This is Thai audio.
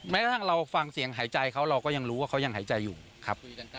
แม้กระทั่งเราฟังเสียงหายใจเขาเราก็ยังรู้ว่าเขายังหายใจอยู่ครับ